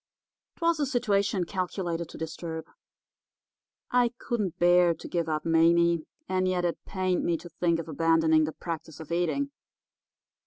"'Twas a situation calculated to disturb. I couldn't bear to give up Mame; and yet it pained me to think of abandoning the practice of eating.